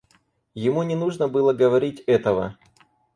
Ему не нужно было говорить этого.